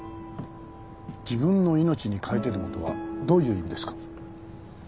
「自分の命に代えてでも」とはどういう意味ですか？